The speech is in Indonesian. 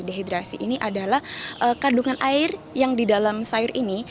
dehidrasi ini adalah kandungan air yang di dalam sayur ini